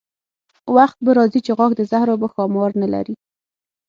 وخت به راځي چې غاښ د زهرو به ښامار نه لري.